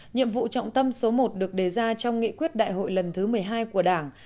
nhiệm vụ trọng tâm số một được đề ra trong nghị quyết đại hội lần thứ một mươi hai của đảng